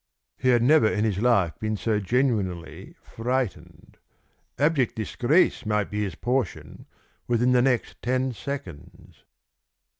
He had never in his life been so genuinely frightened. Abject disgrace might be his portion within the next ten seconds.